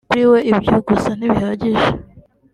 kuri we ibyo gusa ntibihagije